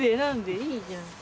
いいじゃん。